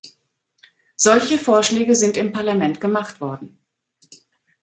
Solche Vorschläge sind im Parlament gemacht worden.